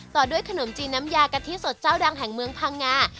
ต่อด้วยขนมจีนน้ำยากะทิสดเจ้าดังแห่งเมืองพังงา